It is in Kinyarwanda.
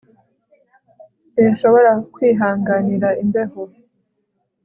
Sinshobora kwihanganira imbeho